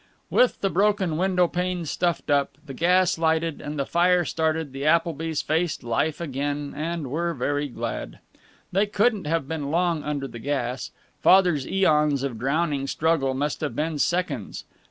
With the broken window pane stuffed up, the gas lighted, and the fire started, the Applebys faced life again, and were very glad. They couldn't have been long under the gas; Father's eons of drowning struggle must have been seconds.